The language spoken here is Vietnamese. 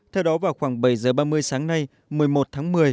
theo đó vào khoảng bảy h ba mươi sáng nay một mươi một tháng một mươi